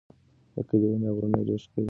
د کلي ونې او غرونه ډېر ښکلي ښکاري.